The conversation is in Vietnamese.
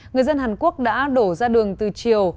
người dân hàn quốc đã đổ ra đường từ chiều